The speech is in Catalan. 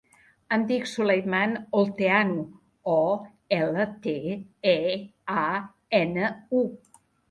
Em dic Sulaiman Olteanu: o, ela, te, e, a, ena, u.